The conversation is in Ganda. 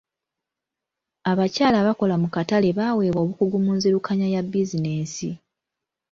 Abakyala abakola mu katale baaweebwa obukugu mu nzirukanya ya bizinensi.